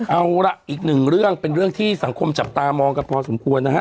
เอาล่ะอีกหนึ่งเรื่องเป็นเรื่องที่สังคมจับตามองกันพอสมควรนะฮะ